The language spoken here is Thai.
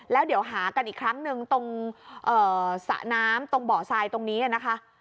แล้วเดี๋ยวหากันอีกครั้งหนึ่งตรงสระน้ำตรงเบาะทรายตรงนี้นะคะ